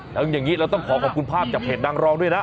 แล้วอย่างนี้เราต้องขอขอบคุณภาพจากเพจนางรองด้วยนะ